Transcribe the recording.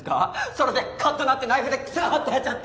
それでカッとなってナイフでグサッとやっちゃって。